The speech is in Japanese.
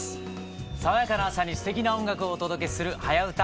爽やかな朝にすてきな音楽をお届けする「はやウタ」。